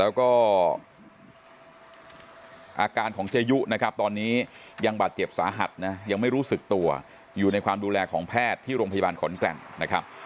อาการของเจยุยังบาดเจ็บสาหัสไม่รู้สึกตัวอยู่ในความดูแลของแพทย์ที่โรงพยาบาลขนแกร่ง